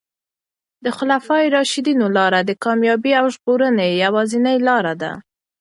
د خلفای راشدینو لاره د کامیابۍ او ژغورنې یوازینۍ لاره ده.